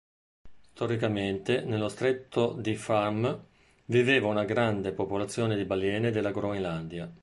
Storicamente nello stretto di Fram viveva una grande popolazione di balene della Groenlandia.